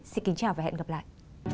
xin kính chào và hẹn gặp lại